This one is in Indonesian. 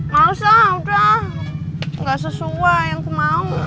masa udah ga sesuai yang kumau